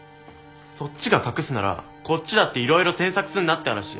そっちが隠すならこっちだっていろいろ詮索すんなって話。